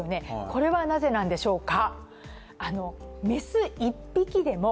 これはなぜなんでしょうか。